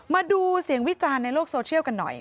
มาดูเสียงวิจารณ์ในโลกโซเชียลกันหน่อย